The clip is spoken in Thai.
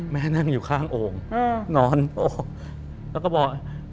แล้วก็บอก